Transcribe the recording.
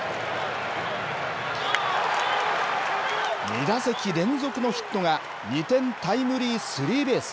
２打席連続のヒットが２点タイムリースリーベース。